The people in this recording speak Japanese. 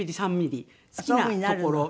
好きなところ。